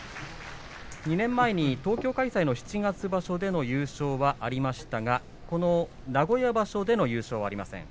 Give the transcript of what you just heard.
２年前に東京開催の七月場所での優勝はありましたがこの名古屋場所での優勝はありません。